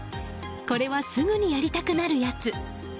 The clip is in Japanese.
これはすぐにやりたくなるやつ。